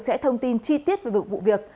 sẽ thông tin chi tiết về vụ việc